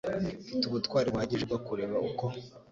Mfite ubutwari buhagije bwo kureba uko